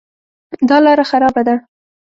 دا لاره خرابه ده